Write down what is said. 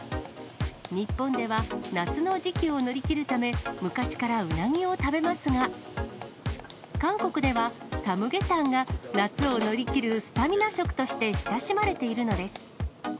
日本では夏の時期を乗り切るため、昔からうなぎを食べますが、韓国ではサムゲタンが、夏を乗り切るスタミナ食として親しまれているのです。